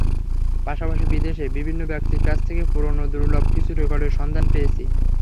পাশাপাশি বিদেশে বিভিন্ন ব্যক্তির কাছ থেকেও পুরোনো দুর্লভ কিছু রেকর্ডের সন্ধান পেয়েছি।